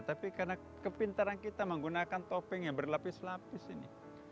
tapi karena kepintaran kita menggunakan topeng yang berlapis lapis ini